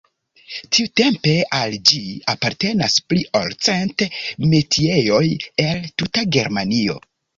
Tiutempe al ĝi apartenas pli ol cent metiejoj el tuta Germanio.